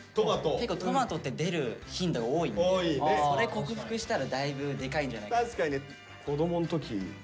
結構トマトって出る頻度が多いんでそれ克服したらだいぶでかいんじゃないかな。